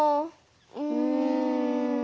うん。